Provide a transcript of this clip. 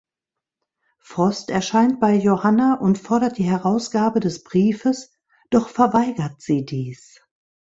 Frost erscheint bei Johanna und fordert die Herausgabe des Briefes, doch verweigert sie dies.